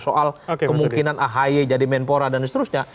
soal kemungkinan ahy jadi menpora dan seterusnya